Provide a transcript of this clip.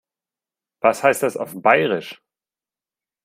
Was heißt das auf Bairisch?